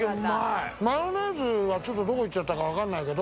マヨネーズはちょっとどこいっちゃったかわかんないけど。